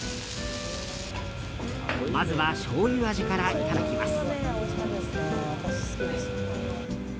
まずはしょうゆ味からいただきます。